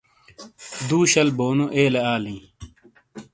دو شل بونو ایلے آلیں